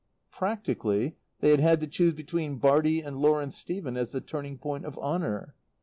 Practically, they had had to choose between Bartie and Lawrence Stephen as the turning point of honour.